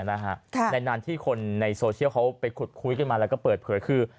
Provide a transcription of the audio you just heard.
ในนั้นที่คนในโซเชียลเขาไปขุดคุยกันมาแล้วก็เปิดเผยคือ